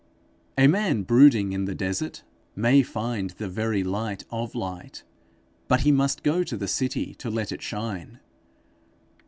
A man brooding in the desert may find the very light of light, but he must go to the city to let it shine.